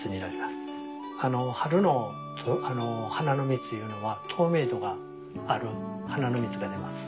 あの春の花の蜜いうのは透明度がある花の蜜が出ます。